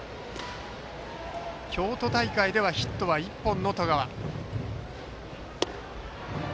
京都大会ではヒット１本の十川。